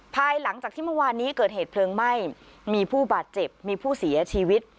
ภายหลังจากที่เมื่อวานนี้เกิดเหตุเพลิงไหม้มีผู้บาดเจ็บมีผู้เสียชีวิต